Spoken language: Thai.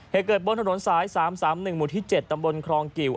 เหตุเกิดบนถนนสาย๓๓๑หมู่ที่๗ตำบลครองกิว